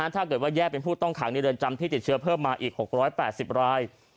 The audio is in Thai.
ถ้าเกิดว่าแยกเป็นผู้ต้องขังในเรือนจำที่ติดเชื้อเพิ่มมาอีก๖๘๐ราย